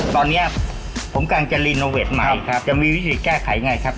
ตอนเนี้ยผมกำจะใหม่ครับจะมีวิธีแก้ไขง่ายครับ